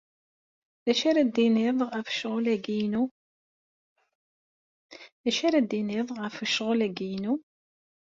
D acu ara d-tiniḍ ɣef ccɣel-agi-inu?